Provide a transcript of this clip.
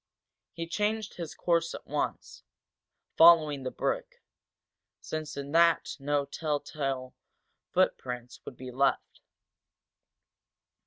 He changed his course at once, following the brook, since in that no telltale footprints would be left.